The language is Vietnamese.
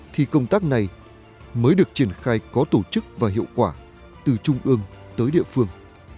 thì công tác này mới được triển khai có tổ chức và hiệu quả từ trung ương tới địa phương